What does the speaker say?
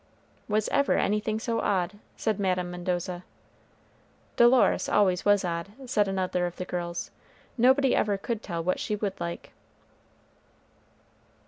"Was ever anything so odd?" said Madame Mendoza. "Dolores always was odd," said another of the girls; "nobody ever could tell what she would like."